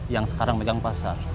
yang sekarang menjang pasar